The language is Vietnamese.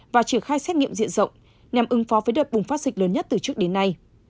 và triển khai xét nghiệm diện rộng nhằm ứng phó với đợt bùng phát dịch lớn nhất từ trước đến nay